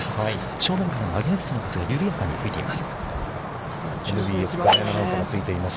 正面からのアゲインストの風が緩やかに吹いています。